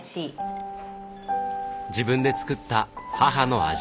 自分で作った母の味。